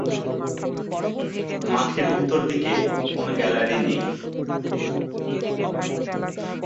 মাঠের উত্তর দিকে কোনো গ্যালারি নেই।